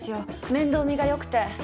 面倒見が良くて